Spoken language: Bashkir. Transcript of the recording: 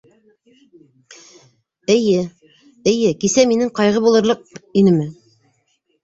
Эйе, эйе, кисә минең ҡайғы булырлыҡ инеме?